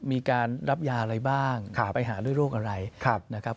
มีการรับยาอะไรบ้างไปหาด้วยโรคอะไรนะครับ